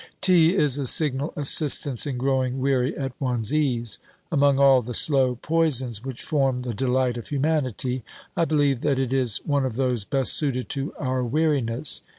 Tea is a signal assistance in growing weary at one's ease. Among all the slow poisons which form the delight of humanity, I believe that it is one of those best suited to our weariness.